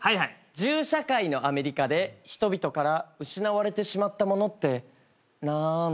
銃社会のアメリカで人々から失われてしまったものってなんだ。